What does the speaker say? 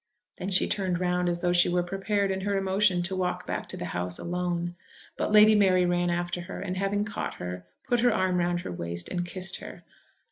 Then she turned round as though she were prepared in her emotion to walk back to the house alone. But Lady Mary ran after her, and having caught her, put her arm round her waist and kissed her.